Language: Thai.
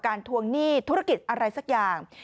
ทวงหนี้ธุรกิจอะไรสักอย่าง